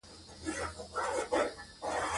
آمو سیند د افغان ځوانانو لپاره دلچسپي لري.